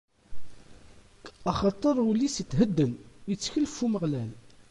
Axaṭer ul-is ithedden, ittkel ɣef Umeɣlal.